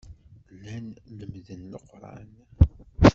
Llan lemmden Leqran.